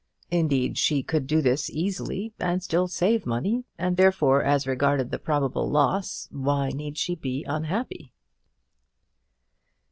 Indeed, she could do this easily and still save money, and, therefore, as regarded the probable loss, why need she be unhappy?